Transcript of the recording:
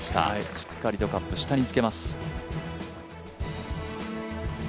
しっかりとカップにつけます。